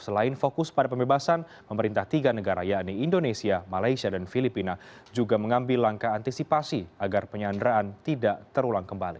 selain fokus pada pembebasan pemerintah tiga negara yakni indonesia malaysia dan filipina juga mengambil langkah antisipasi agar penyanderaan tidak terulang kembali